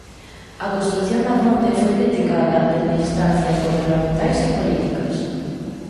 A construción da ponte foi criticada dende instancias gobernamentais e políticas.